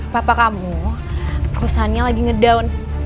papa kamu kesannya lagi ngedown